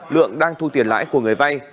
lượng đang thu tiền lãi của người vay